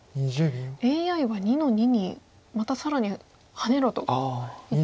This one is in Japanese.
ＡＩは２の二にまた更にハネろと言ってますね。